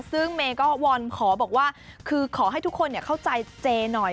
ซึ่งเมย์ก็วอนขอบอกว่าคือขอให้ทุกคนเข้าใจเจหน่อย